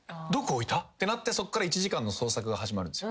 どこ置いた？ってなってそっから１時間の捜索が始まる。